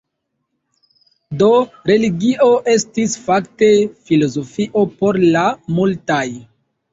Do religio estis fakte filozofio por la multaj.